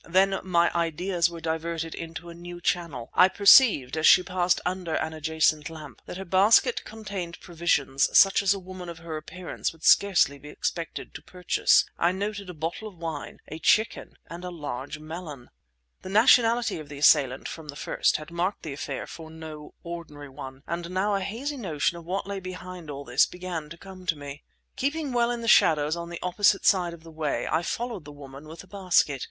Then my ideas were diverted into a new channel. I perceived, as she passed under an adjacent lamp, that her basket contained provisions such as a woman of her appearance would scarcely be expected to purchase. I noted a bottle of wine, a chicken, and a large melon. The nationality of the assailant from the first had marked the affair for no ordinary one, and now a hazy notion of what lay behind all this began to come to me. Keeping well in the shadows on the opposite side of the way, I followed the woman with the basket.